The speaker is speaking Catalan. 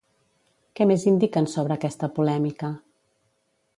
Què més indiquen sobre aquesta polèmica?